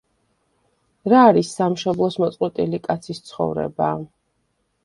რა არის სამშობლოს მოწყვეტილი კაცის ცხოვრება?